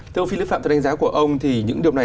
thưa ông phí lý phạm tôi đánh giá của ông thì những điều này